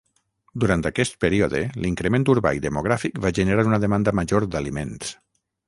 Durant aquest període, l'increment urbà i demogràfic va generar una demanda major d'aliments.